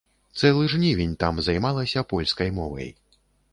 Цэлы жнівень там займалася польскай мовай.